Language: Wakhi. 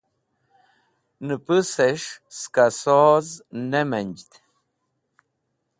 nupus'esh ska soz nemanjd